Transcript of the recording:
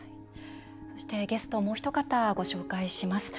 そして、ゲストもうお一方ご紹介します。